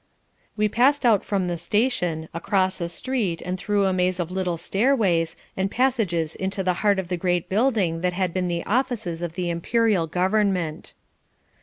We passed out from the station, across a street and through a maze of little stairways, and passages into the heart of the great building that had been the offices of the Imperial Government.